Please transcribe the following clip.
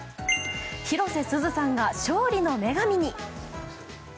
広瀬すずさんが勝利の女神に！